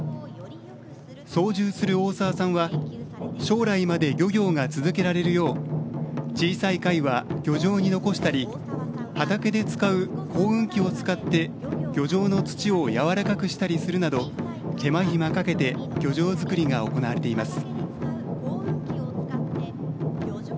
操縦する大澤さんは将来まで漁業が続けられるよう小さい貝は漁場に残したり畑で使う耕うん機を使って漁場の土をやわらかくしたりするなど手間暇かけて漁場づくりが行われています。